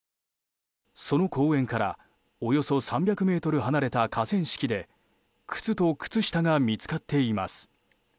その公園からおよそ３００ｍ離れた河川敷で靴と靴下が見つかっています。